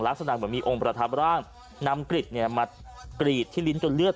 ลักษณะเหมือนมีองค์ประทับร่างนำกริดเนี่ยมากรีดที่ลิ้นจนเลือด